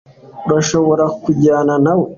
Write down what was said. urashobora kujyana nawe